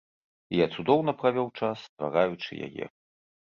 І я цудоўна правёў час, ствараючы яе.